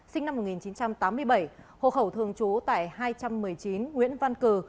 sinh năm một nghìn chín trăm tám mươi bảy hộ khẩu thường trú tại hai trăm một mươi chín nguyễn văn cử